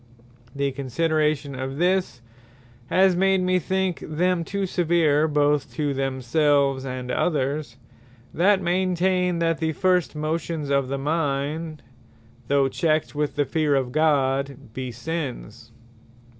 The consideration of this, has made me think them too severe, both to themselves, and others, that maintain, that the First motions of the mind, (though checked with the fear of God) be Sinnes.